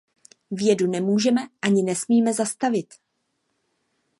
Vědu nemůžeme ani nesmíme zastavit.